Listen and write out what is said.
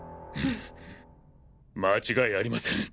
間違いありません。